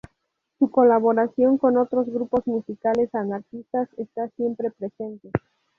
Su colaboración con otros grupos musicales anarquistas está siempre presente.